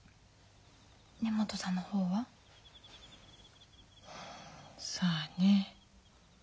根本さんの方は？さあね。